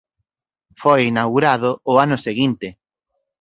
Foi inaugurado o ano seguinte.